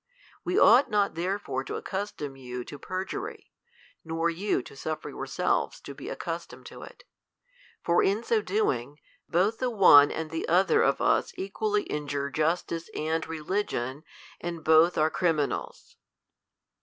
We ought not therefore to accustom you to perjury, nor you to suffer yourselves to be accustomed to it; for in so doing,: both the one and the other of us equally injure justice and religion, and both are criminals.